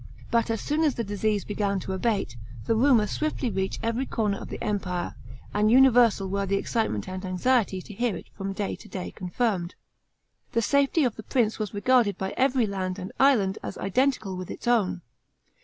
But as soon as the disease began to abate, the rumour swiftly reached every corner of the empire, and universal were the excite ment and anxiety to hear it from day to day confirmed. The safety of the prince was regarded by every land and island as identical with its own.